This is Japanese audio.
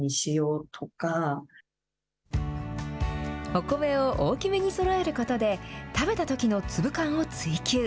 お米を大きめにそろえることで、食べたときの粒感を追求。